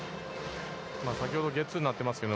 先ほどゲッツーになっていますけど、